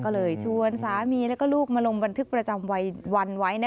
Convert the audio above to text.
ก็เลยชวนสามีและลูกมาลงบันทึกประจำวันไว้